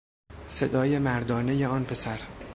صدای مردانهی آن پسر